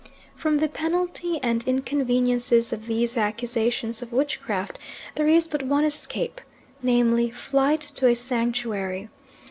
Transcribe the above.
From the penalty and inconveniences of these accusations of witchcraft there is but one escape, namely flight to a sanctuary.